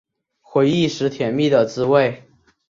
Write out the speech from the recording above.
回忆时甜蜜的滋味